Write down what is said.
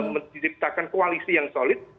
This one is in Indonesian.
menciptakan koalisi yang solid